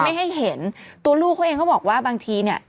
ไม่ให้เห็นตัวลูกเขาเองเขาบอกว่าบางทีเนี่ย